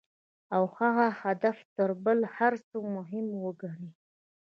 او هغه هدف تر بل هر څه مهم وګڼي.